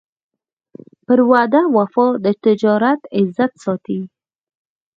په وعده وفا د تجارت عزت ساتي.